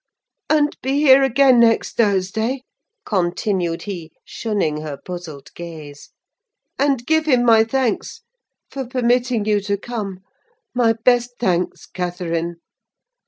"And be here again next Thursday," continued he, shunning her puzzled gaze. "And give him my thanks for permitting you to come—my best thanks, Catherine.